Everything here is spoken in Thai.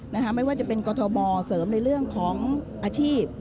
ไม่ว่าจะเป็นกรทมเสริมในเรื่องของอาชีพ